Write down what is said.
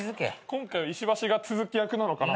今回は石橋が都築役なのかなって。